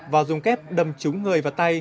và dùng kép đầm trúng người và tay